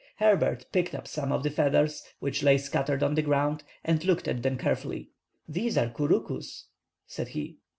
Herbert picked up some of the feathers, which lay scattered on the ground, and looked at them carefully. "These are 'couroucous,'" said he.